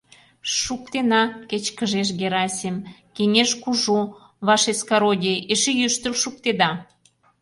— Ш...шуктена... — кечкыжеш Герасим, — кеҥеж кужу, вашескородие, эше йӱштыл шуктеда...